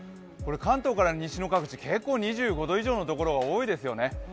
関東から西の各地、結構２５度以上のところが多いですよね。